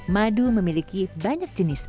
madu memiliki banyak jenis